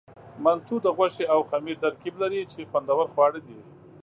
منتو د غوښې او خمیر ترکیب لري، چې خوندور خواړه دي.